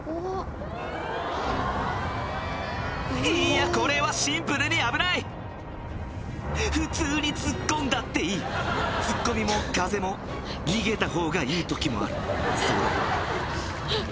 いやこれはシンプルに危ない普通にツッコんだっていいツッコミも風も逃げた方がいい時もあるそうだろ？